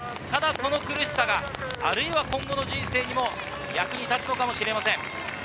ただその苦しさが今後の人生にも役に立つのかもしれません。